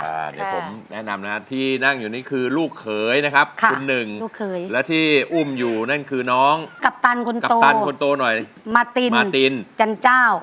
เดี๋ยวผมแนะนำนะที่นั่งอยู่นี่คือลูกเขยนะครับคุณหนึ่งลูกเขยและที่อุ้มอยู่นั่นคือน้องกัปตันคนกัปตันคนโตหน่อยมาตินมาตินจันเจ้า